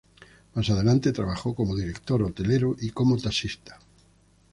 Más adelante trabajó como director hotelero y como taxista.